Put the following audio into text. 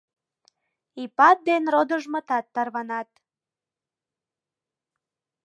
Ипат ден родыжмытат тарванат.